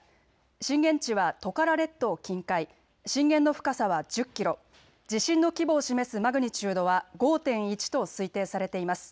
震源地はトカラ列島近海、震源の深さは１０キロ、地震の規模を示すマグニチュードは５．１と推定されています。